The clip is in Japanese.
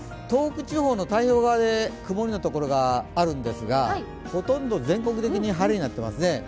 東北地方の太平洋側で曇りの所があるんですがほとんど全国的に晴れになってますね。